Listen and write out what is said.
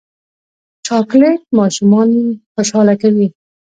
چاکلېټ ماشومان خوشحاله کوي.